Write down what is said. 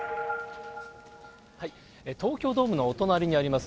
東京ドームのお隣にあります